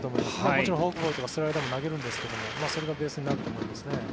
もちろんフォークボールとかスライダーも投げるんですけどそれがベースになると思います。